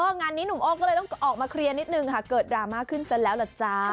งานนี้หนุ่มโอ้ก็เลยต้องออกมาเคลียร์นิดนึงค่ะเกิดดราม่าขึ้นซะแล้วล่ะจ๊ะ